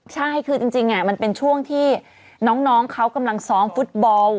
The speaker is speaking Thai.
ใช่คือจริงมันเป็นช่วงที่น้องเขากำลังซ้อมฟุตบอล